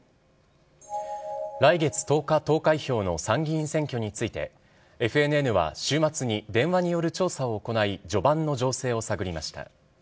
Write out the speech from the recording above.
来月１０日投開票の参議院選挙について、ＦＮＮは週末に電話による調査を行い、序盤の情勢を探りました。